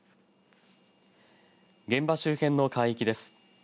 現場周辺の海域です。